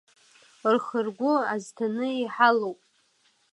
Рхы ргәы азҭаны иҳалоуп…